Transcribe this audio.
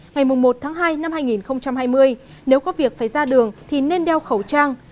ngày một tháng hai năm hai nghìn hai mươi nếu có việc phải ra đường thì nên đeo khẩu trang